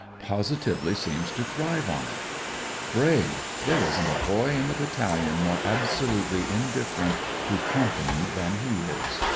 Positively seems to thrive on it. Brave ! Thpre isn't a boy in the Battalion more absolutely indifferent to crumping than he is.